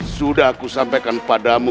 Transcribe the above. sudah aku sampaikan padamu